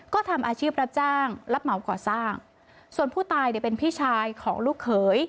ก็ทำอาชีพรับจ้างรับเหมาก่อสร้างส่วนผู้ตายเนี่ยเป็นพี่ชายของลูกเขย